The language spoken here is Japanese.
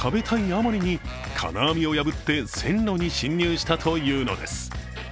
あまりに金網を破って線路に進入したというのです。